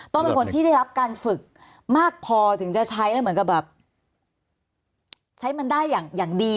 ต้องเป็นคนที่ได้รับการฝึกมากพอถึงจะใช้แล้วเหมือนกับแบบใช้มันได้อย่างดี